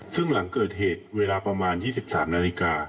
ซึ่งหลังเกิดเหตุเวลาประมาณ๒๓นาฬิกา